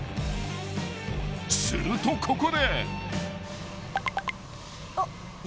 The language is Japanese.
［するとここで］